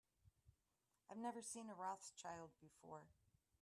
I have never seen a Rothschild before.